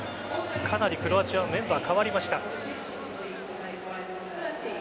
かなりクロアチアはメンバー代わりました。